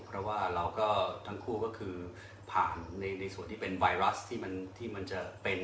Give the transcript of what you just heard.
เพราะว่าเราก็ทั้งคู่ก็คือผ่านในส่วนที่เป็นไวรัสที่มันจะเป็น